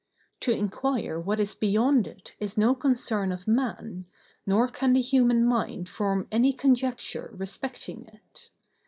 To inquire what is beyond it is no concern of man, nor can the human mind form any conjecture respecting it.